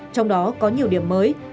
trong đó có nhiều điểm mới